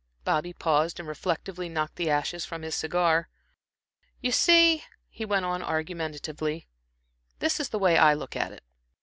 Bobby paused and reflectively knocked the ashes from his cigar. "You see," he went on, argumentatively "this is the way I look at it.